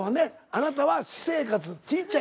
あなたは私生活ちいちゃいころ。